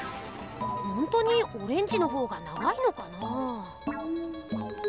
ほんとにオレンジの方が長いのかなぁ？